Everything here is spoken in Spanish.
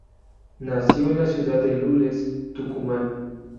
Nació en la Ciudad de Lules, Tucumán.